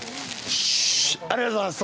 ありがとうございます。